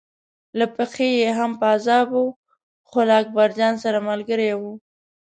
له پښې یې هم پازاب و خو له اکبرجان سره ملګری و.